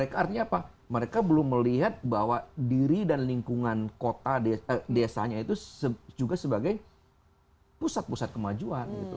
artinya apa mereka belum melihat bahwa diri dan lingkungan kota desanya itu juga sebagai pusat pusat kemajuan